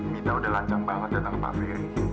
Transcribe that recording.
kita udah lancang banget datang ke pak ferry